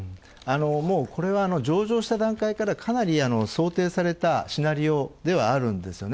これは、上場した段階からかなり想定されたシナリオではあるんですよね。